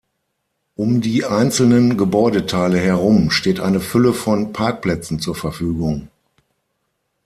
Um die einzelnen Gebäudeteile herum steht eine Fülle von Parkplätzen zur Verfügung.